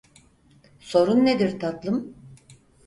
Sorun nedir, tatlım?